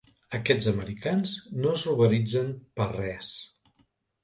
Aquests americans no es ruboritzen per res.